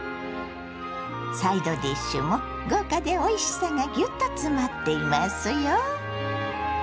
サイドディッシュも豪華でおいしさがギュッと詰まっていますよ。